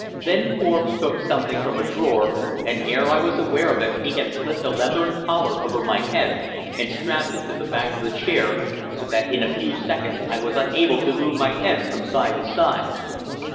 Then Forbes took something from a drawer, and ere I was aware of it he had slipped a leathern collar over my head and strapped it to the back of the chair so that in a few seconds I was unable to move my head from side to side.